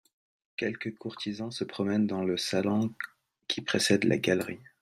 Quelques courtisans se promènent dans le salon qui précède la galerie.